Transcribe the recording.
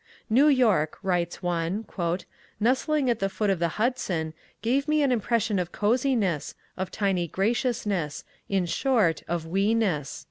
"New York", writes one, "nestling at the foot of the Hudson, gave me an impression of cosiness, of tiny graciousness: in short, of weeness."